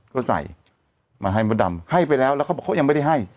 ก็ใส่มาให้มดดำให้ไปแล้วแล้วเขาบอกเขายังไม่ได้ให้